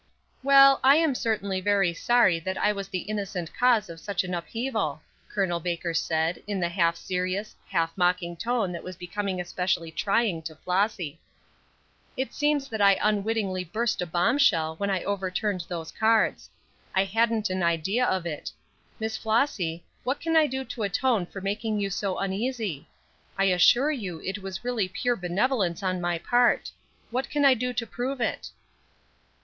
"Well, I am certainly very sorry that I was the innocent cause of such an upheaval," Col. Baker said, in the half serious, half mocking, tone that was becoming especially trying to Flossy. "It seems that I unwittingly burst a bombshell when I overturned those cards. I hadn't an idea of it. Miss Flossy, what can I do to atone for making you so uneasy? I assure you it was really pure benevolence on my part. What can I do to prove it?"